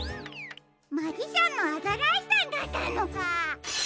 マジシャンのアザラーシさんだったのか。